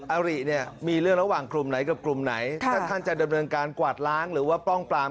อาริเนี่ยมีเรื่องระหว่างกลุ่มไหนกับกลุ่มไหนถ้าท่านจะดำเนินการกวาดล้างหรือว่าป้องปราม